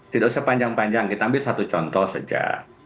tidak usah panjang panjang kita ambil satu contoh saja